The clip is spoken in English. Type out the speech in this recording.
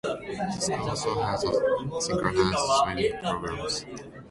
The school also has a synchronized swimming programs.